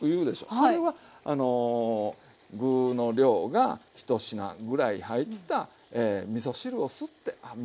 それは具の量が１品ぐらい入ったみそ汁を吸ってみ